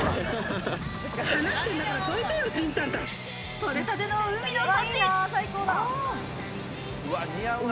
採れたての海の幸。